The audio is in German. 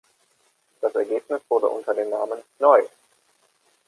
Das Ergebnis wurde unter dem Namen "Neu!